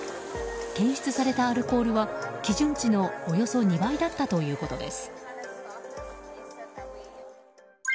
検出されたアルコールは基準値のおよそ２倍だったということです。